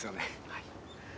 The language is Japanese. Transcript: はい。